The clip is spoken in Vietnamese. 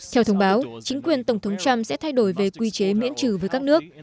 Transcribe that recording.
theo thông báo chính quyền tổng thống trump sẽ thay đổi về quy chế miễn trừ với các nước